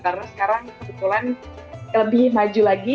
karena sekarang kebetulan lebih maju lagi